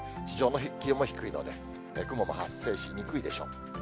地上の気温も低いので、雲も発生しにくいでしょう。